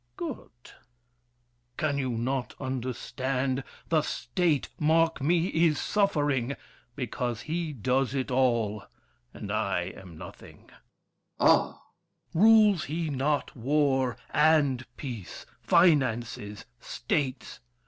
Good! Can you not understand? The State, mark me, Is suffering, because he does it all And I am nothing! DUKE DE BELLEGARDE. Ah! THE KING. Rules he not war And peace, finances, states?